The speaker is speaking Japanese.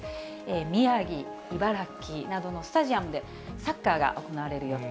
宮城、茨城などのスタジアムでサッカーが行われる予定。